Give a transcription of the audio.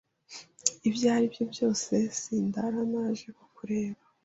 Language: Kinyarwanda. Ibyo ari byo byose sindara ntaje kukureba